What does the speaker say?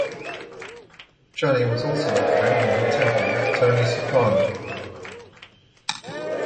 Johnny was also a friend and contemporary of Tony Soprano.